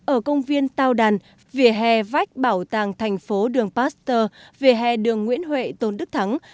ở công viên tao đàn vỉa hè vách bảo tàng thành phố đường pasteur về hè đường nguyễn huệ tôn đức thắng